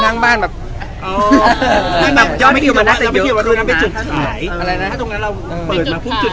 ถ้าตรงนั้นเราเปิดแล้วย้อนจะขึ้น